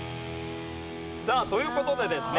さあという事でですね